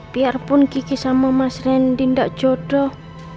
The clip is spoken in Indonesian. biarpun kiki sama mas randy tidak jodoh